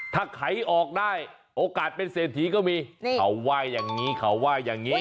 ถ้าไขออกได้โอกาสเป็นเศรษฐีก็มีเขาไหว้อย่างนี้เขาว่าอย่างนี้